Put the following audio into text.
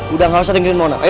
udah gak usah tinggilin mona ayo